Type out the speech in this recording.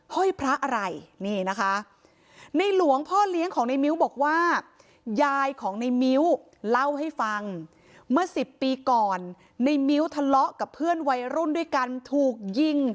ห้อยพระอะไรนี่นะคะในหลวงพ่อเลี้ยงของในมิ้วบอกว่ายายของในมิ้วเล่าให้ฟังเมื่อ๑๐ปีก่อนในมิ้วทะเลาะกับเพื่อนวัยรุ่นด้วยกันถูกยิง